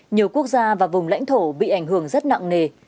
nhiều quốc gia và vùng lãnh thổ bị ảnh hưởng rất nặng nề